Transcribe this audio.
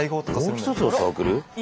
もう１つのサークル？